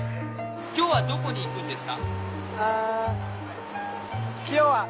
今日はどこに行くんですか？